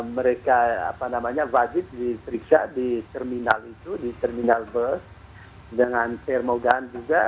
mereka wajib diperiksa di terminal itu di terminal bus dengan termogun juga